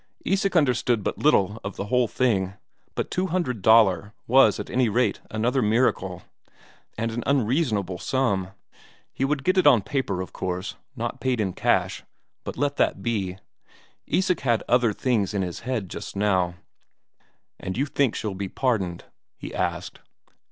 Isak understood but little of the whole thing, but two hundred Daler was at any rate another miracle, and an unreasonable sum. He would get it on paper, of course, not paid in cash, but let that be. Isak had other things in his head just now. "And you think she'll be pardoned?" he asked.